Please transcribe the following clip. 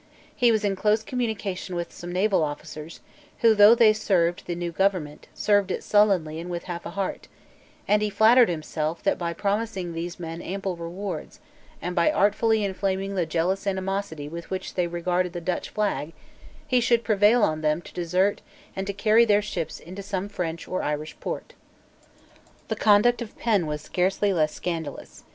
He was in close communication with some naval officers, who, though they served the new government, served it sullenly and with half a heart; and he flattered himself that by promising these men ample rewards, and by artfully inflaming the jealous animosity with which they regarded the Dutch flag, he should prevail on them to desert and to carry their ships into some French or Irish port, The conduct of Penn was scarcely less scandalous.